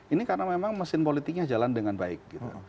ini karena memang mesin politiknya jalan dengan baik